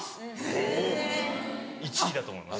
・へぇ・１位だと思います。